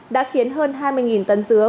đã khiến hơn hai mươi tấn dứa